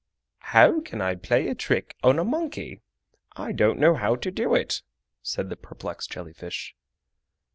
"How can I play a trick on a monkey? I don't know how to do it," said the perplexed jelly fish.